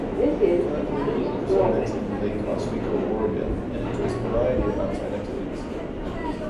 He currently resides in Lake Oswego, Oregon and enjoys a variety of outside activities.